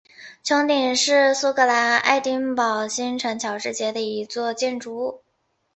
穹顶是苏格兰爱丁堡新城乔治街的一座建筑物。